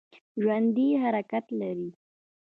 ژوندي حرکت لري